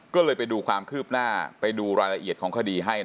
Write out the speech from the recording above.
ก็เลยไปดูความคืบหน้าไปดูรายละเอียดของคดีให้